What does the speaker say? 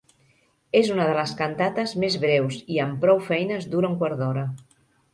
És una de les cantates més breus i amb prou feines dura un quart d'hora.